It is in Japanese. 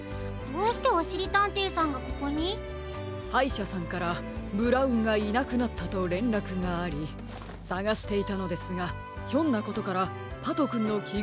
どうしておしりたんていさんがここに？はいしゃさんからブラウンがいなくなったとれんらくがありさがしていたのですがひょんなことからパトくんのき